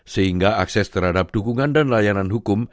sehingga akses terhadap dukungan dan layanan hukum